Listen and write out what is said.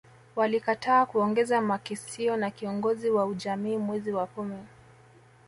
Walikataa kuongeza makisio na kiongozi wa ujamii mwezi wa kumi